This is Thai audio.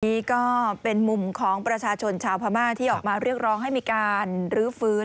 นี่ก็เป็นมุมของประชาชนชาวพม่าที่ออกมาเรียกร้องให้มีการรื้อฟื้น